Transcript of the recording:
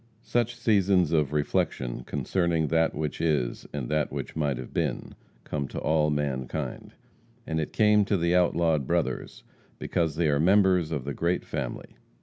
Such seasons of reflection concerning that which is, and that which might have been, come to all mankind, and it came to the outlawed brothers, because they are members of the great family.